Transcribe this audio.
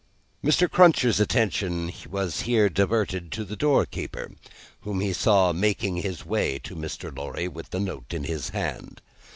Mr. Cruncher's attention was here diverted to the door keeper, whom he saw making his way to Mr. Lorry, with the note in his hand.